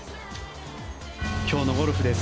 今日のゴルフです。